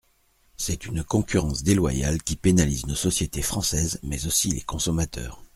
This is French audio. C’est une concurrence déloyale qui pénalise nos sociétés françaises, mais aussi les consommateurs.